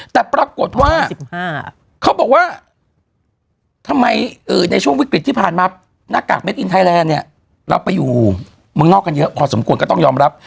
แต่ปรากฏว่า๑๕เขาบอกว่าทำไมในช่วงวิกฤตที่ผ่านมาหน้ากากเม็ดอินไทยแลนด์เนี่ยเราไปอยู่เมืองนอกกันเยอะพอสมควรก็ต้องยอมรับ